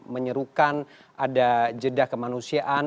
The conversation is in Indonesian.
menyerukan ada jeda kemanusiaan